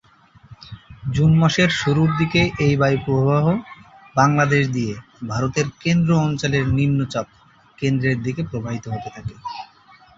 June মাসের শুরুর দিকে এই বায়ুপ্রবাহ বাংলাদেশ দিয়ে ভারতের কেন্দ্র-অঞ্চলের নিম্নচাপ কেন্দ্রের দিকে প্রবাহিত হতে থাকে।